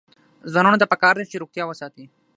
ځوانانو ته پکار ده چې، روغتیا وساتي.